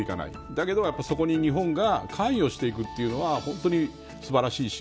だけど、そこに日本が関与していくというのは本当に素晴らしいし